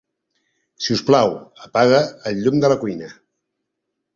Si us plau, apaga el llum de la cuina.